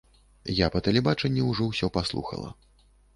Я па тэлебачанні ўжо ўсё паслухала.